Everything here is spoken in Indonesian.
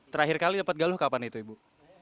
terakhir kali dapat galuh kapan itu ibu